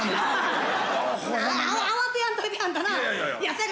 慌てやんといてあんたな。